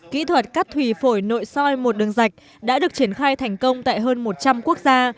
kỹ thuật cắt thủy phổi nội soi một đường dạch đã được triển khai thành công tại hơn một trăm linh quốc gia